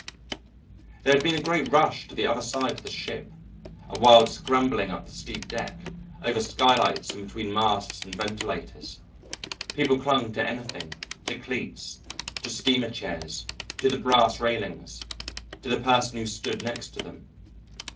There had been a great rush to the other side of the ship, a wild scrambling up the steep deck, over skylights and between masts and ventilators. People clung to anything, to cleats, to steamer chairs, to the brass railings, to the person who stood next to them.